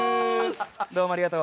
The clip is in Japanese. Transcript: どうもありがとう。